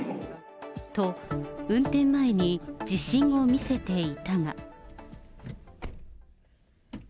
と、運転前に自信を見せていたが。